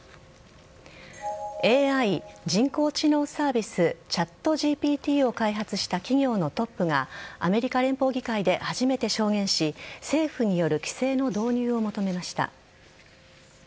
ＡＩ＝人工知能サービスＣｈａｔＧＰＴを開発した企業のトップがアメリカ連邦議会で初めて証言し政府による規制の導入を求めました。